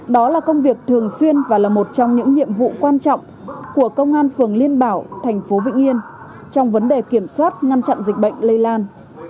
đó là công việc thường xuyên và là một trong những nhiệm vụ quan trọng của công an phường liên bảo thành phố vĩnh yên trong vấn đề kiểm soát ngăn chặn dịch bệnh lây lan